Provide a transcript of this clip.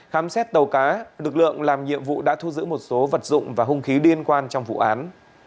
khám xét tàu cá lực lượng làm nhiệm vụ đã thu giữ một số vật dụng và hung khí liên quan trong vụ án